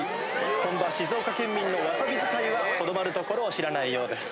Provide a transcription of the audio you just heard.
本場静岡県民のわさび使いはとどまる所を知らないようです。